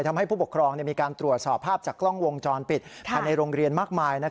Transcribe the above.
ทำให้ผู้ปกครองมีการตรวจสอบภาพจากกล้องวงจรปิดภายในโรงเรียนมากมาย